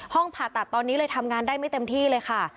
ผ่าตัดตอนนี้เลยทำงานได้ไม่เต็มที่เลยค่ะ